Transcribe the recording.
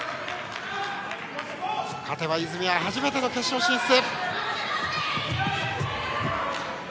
勝てば泉は初めての決勝進出。